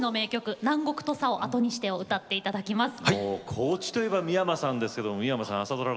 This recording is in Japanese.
高知といえば三山さんですけど朝ドラ